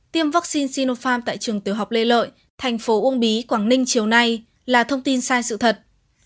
tiêm vaccine sinopharm tại trường tiểu học lê lợi tp ub quảng ninh chiều nay là thông tin sai sự thật